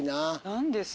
何です？